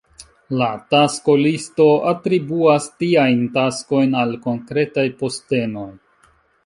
La taskolisto atribuas tiajn taskojn al konkretaj postenoj.